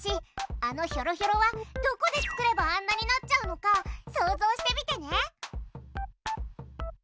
あのひょろひょろはどこで作ればあんなになっちゃうのか想像してみてね。